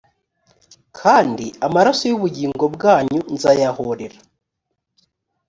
kandi amaraso y’ubugingo bwanyu nzayahorera